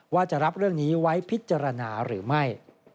ว่าจะรับเรื่องนี้ไว้พิจารณาหรือไม่